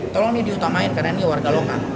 tolong ini diutamain karena ini warga lokal